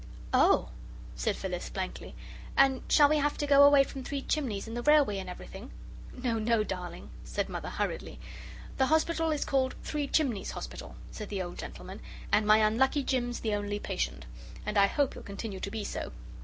"Oh!" said Phyllis, blankly; "and shall we have to go away from Three Chimneys and the Railway and everything?" "No, no, darling," said Mother, hurriedly. "The Hospital is called Three Chimneys Hospital," said the old gentleman, "and my unlucky Jim's the only patient, and I hope he'll continue to be so.